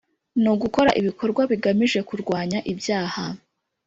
Ni ugukora ibikorwa bigamije kurwanya ibyaha